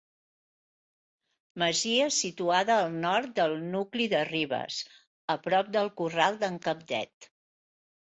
Masia situada al nord del nucli de Ribes, a prop del Corral d'en Capdet.